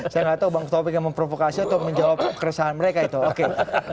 saya nggak tahu bang taufik yang memprovokasi atau menjawab keresahan mereka itu oke